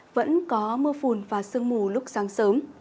vẫn có mưa phùn và sương mù lúc sáng sớm